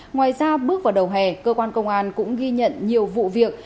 ngoài ra bước vào đầu hè cơ quan công an cũng ghi nhận nhiều vụ việc